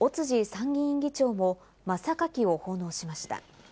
参議院議員議長も真榊を奉納しました。